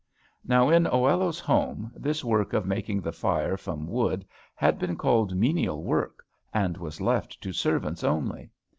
Now, in Oello's home, this work of making the fire from wood had been called menial work, and was left to servants only.